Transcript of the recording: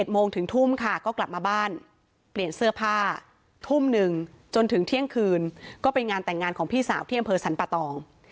โมงถึงทุ่มค่ะก็กลับมาบ้านเปลี่ยนเสื้อผ้าทุ่มหนึ่งจนถึงเที่ยงคืนก็ไปงานแต่งงานของพี่สาวที่อำเภอสรรปะตอง